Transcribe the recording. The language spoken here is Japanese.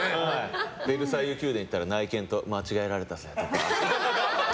ヴェルサイユ宮殿に行ったら内見と間違えられたぜとか。